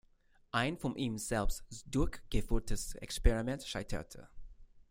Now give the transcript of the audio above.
Ein von ihm selbst durchgeführtes Experiment scheiterte.